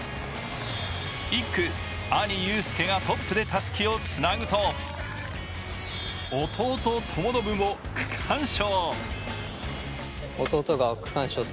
１区、兄・友佑がトップでたすきをつなぐと、弟・友伸も区間賞。